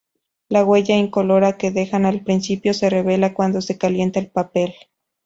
La huella incolora que dejan al principio, se revela cuando se calienta el papel.